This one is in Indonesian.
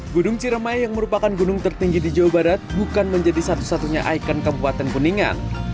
gunung ciremai yang merupakan gunung tertinggi di jawa barat bukan menjadi satu satunya ikon kabupaten kuningan